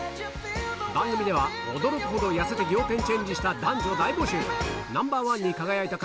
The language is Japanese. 番組では驚くほど痩せて仰天チェンジした男女大募集！